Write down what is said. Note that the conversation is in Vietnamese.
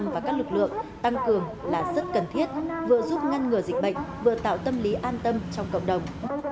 và các lực lượng tăng cường là rất cần thiết vừa giúp ngăn ngừa dịch bệnh vừa tạo tâm lý an tâm trong cộng đồng